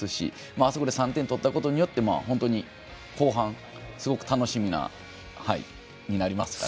あそこで３点を取ったことで本当に、後半すごく楽しみになりますから。